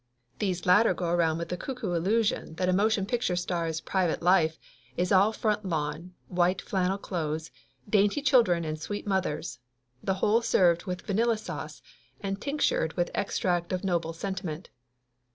These latter go around with the cuckoo illusion that a motion picture star's private life is all front lawn, white flannel clothes, dainty children and sweet mothers, the whole served with vanilla sauce, and tinctured with extract of noble sentiment.